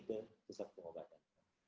ke pusat pengobatan